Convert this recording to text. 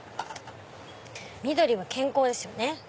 緑は健康ですよね！